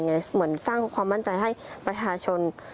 เหมือนสร้างความมั่นใจให้ประชาชน